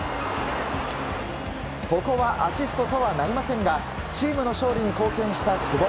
ここはアシストとはなりませんがチームの勝利に貢献した久保。